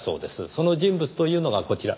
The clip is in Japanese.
その人物というのがこちら。